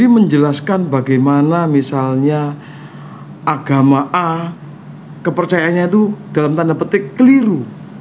menjelaskan bagaimana misalnya agama a kepercayaannya itu dalam tanda petik keliru